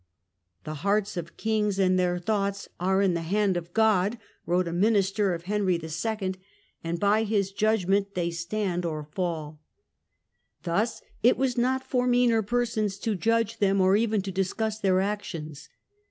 " The hearts of kings and their thoughts are in the hand of God," wrote a minister of Henry II., " and by His judgment they stand or fall." Thus it was not for meaner persons to judge them or even to discuss their actions.